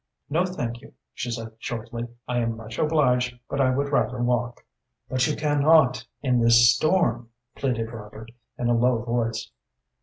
"No, thank you," she said, shortly; "I am much obliged, but I would rather walk." "But you cannot, in this storm," pleaded Robert, in a low voice.